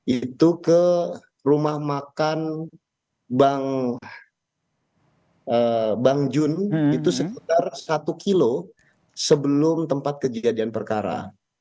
itu ke rumah makan bang jun itu sekitar satu kilo sebelum tempat kejadian perkara